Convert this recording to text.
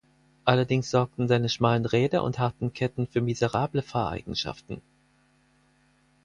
Allerdings sorgten seine schmalen Räder und harten Ketten für miserable Fahreigenschaften.